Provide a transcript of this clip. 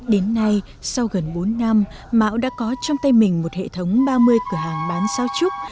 đến nay sau gần bốn năm mão đã có trong tay mình một hệ thống ba mươi cửa hàng bán sao trúc